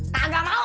tak gak mau